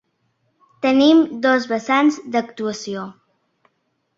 Tenim dos vessants d’actuació.